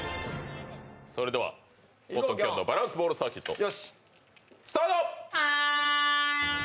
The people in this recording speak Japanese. それではコットン・きょんのバランスボールサーキット、スタート！